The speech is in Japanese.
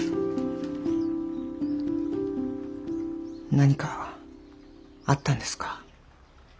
何かあったんですか？